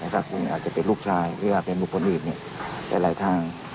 ก็คงอาจจะเป็นลูกชายหรือว่าเป็นบุคคลอื่นหลายทาง